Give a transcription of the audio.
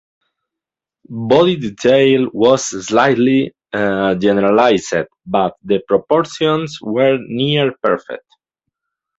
Body detail was slightly generalized, but the proportions were near perfect.